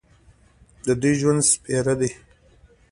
د دوی ژوند سپېره دی.